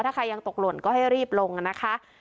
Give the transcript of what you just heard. ถ้าใครยังตกหล่นก็ให้รีบลงนะคะ